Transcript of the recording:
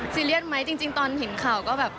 ซีเรียสไหมจริงตอนเห็นข่าวก็แบบ